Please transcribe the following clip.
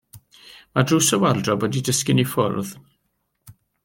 Mae drws y wardrob wedi disgyn i ffwrdd.